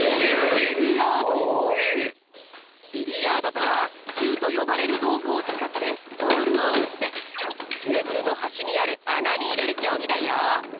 ビリヤードとはキューとよばれるどうぐをつかってボールをうってテーブルのはしにあるあなにいれるきょうぎだよ。